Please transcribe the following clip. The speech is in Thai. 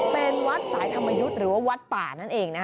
เป็นวัดสายธรรมยุษย์หรือวัดป่านั่นเอง